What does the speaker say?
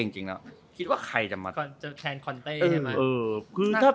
จะแขนคอนเต้เจ้น่ะ